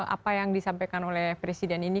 apa yang disampaikan oleh presiden ini